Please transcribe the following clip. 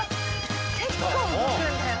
結構動くんだよ